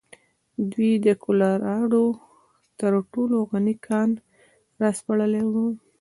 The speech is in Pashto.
دوی د کولراډو تر ټولو غني کان راسپړلی و.